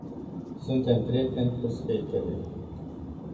Suntem prieteni cu skaterii.